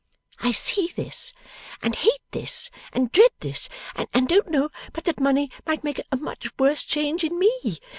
I see this, and hate this, and dread this, and don't know but that money might make a much worse change in me.